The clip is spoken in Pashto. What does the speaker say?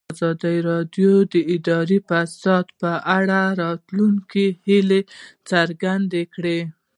ازادي راډیو د اداري فساد په اړه د راتلونکي هیلې څرګندې کړې.